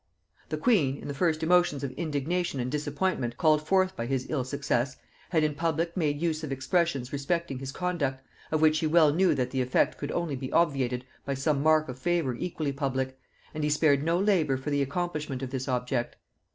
The queen, in the first emotions of indignation and disappointment called forth by his ill success, had in public made use of expressions respecting his conduct, of which he well knew that the effect could only be obviated by some mark of favor equally public; and he spared no labor for the accomplishment of this object.